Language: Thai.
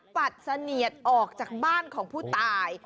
ปัดเสนียดออกจากบ้านของผู้ตาย